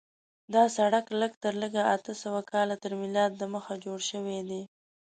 دا سړک لږ تر لږه اته سوه کاله تر میلاد دمخه جوړ شوی دی.